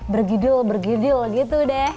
bergidul bergidul gitu deh